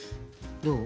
どう？